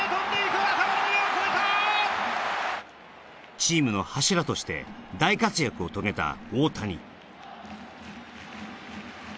チームの柱として大活躍を遂げた大谷。